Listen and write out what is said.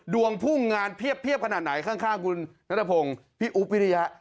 พุ่งงานเพียบขนาดไหนข้างคุณนัทพงศ์พี่อุ๊บวิริยะ